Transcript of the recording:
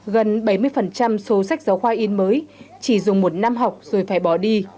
gần bảy mươi số sách giáo khoa in mới chỉ dùng một năm học rồi phải bỏ đi